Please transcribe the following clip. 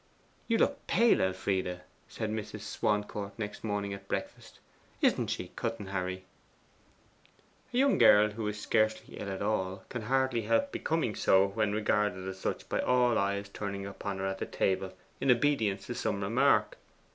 'You look pale, Elfride,' said Mrs. Swancourt the next morning at breakfast. 'Isn't she, cousin Harry?' A young girl who is scarcely ill at all can hardly help becoming so when regarded as such by all eyes turning upon her at the table in obedience to some remark.